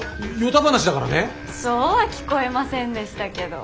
そうは聞こえませんでしたけど。